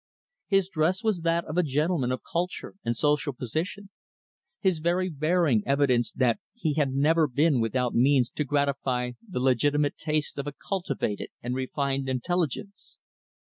His dress was that of a gentleman of culture and social position. His very bearing evidenced that he had never been without means to gratify the legitimate tastes of a cultivated and refined intelligence.